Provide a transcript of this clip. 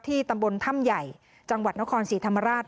ตำบลถ้ำใหญ่จังหวัดนครศรีธรรมราช